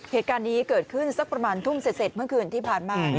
เหตุการณ์นี้เกิดขึ้นสักประมาณทุ่มเสร็จเมื่อคืนที่ผ่านมา